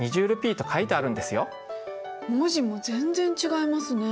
文字も全然違いますね。